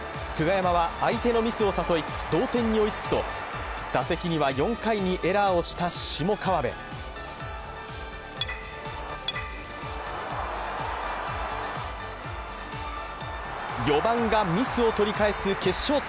久我山は相手のミスを誘い、同点に追いつくと打席には４回にエラーをした下川邊４番がミスを取り返す決勝